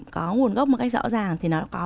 có nguồn gốc một cách rõ ràng thì nó có